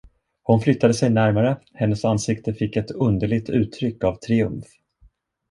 Hon flyttade sig närmare, hennes ansikte fick ett underligt uttryck av triumf.